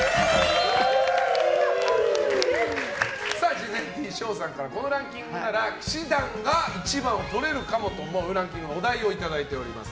事前に翔さんからこのランキングなら氣志團が１番をとれるかもと思うランキングのお題をいただいております。